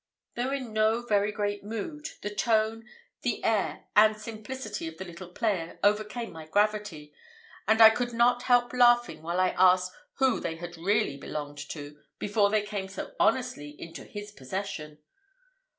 Though in no very merry mood, the tone, the air, and simplicity of the little player overcame my gravity, and I could not help laughing while I asked who they had really belonged to, before they came so honestly into his possession.